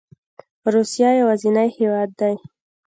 روسیه یوازینی هیواد دی